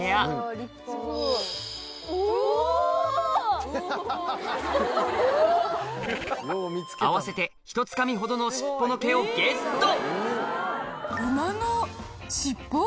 お‼合わせてひとつかみほどの尻尾の毛をゲット！